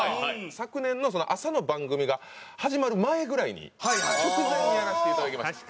昨年の朝の番組が始まる前ぐらいに直前にやらせていただきました。